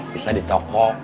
bisa di toko di kafe